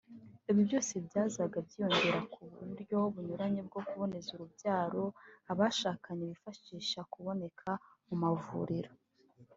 Ibi byose byazaga byiyongera ku buryo bunyuranye bwo kuboneza urubyaro abashakanye bifashisha buboneka mu mavuriro